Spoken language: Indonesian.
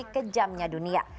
dan menghadapi kejamnya dunia